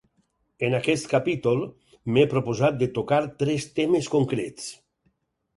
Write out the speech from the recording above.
En aquest capítol, m'he proposat de tocar tres temes concrets.